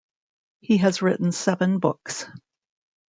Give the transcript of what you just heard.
He has written seven books.